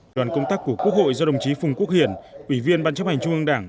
đoàn công tác của quốc hội do đồng chí phùng quốc hiển ủy viên ban chấp hành trung ương đảng